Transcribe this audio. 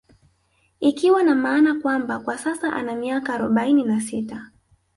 Ikiwa na maana kwamba kwa sasa ana miaka arobaini na sita